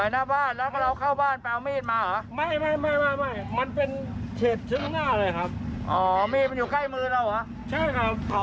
ต่อยหน้าบ้านแล้วก็เล่าเข้าบ้านไปเอามีดมาเหรอ